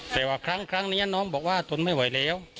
แต่ว่าครั้งนี้น้องบอกว่าทนไม่ไหวแล้ว